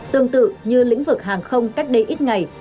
tương tự như lĩnh vực hàng không cách đây ít ngày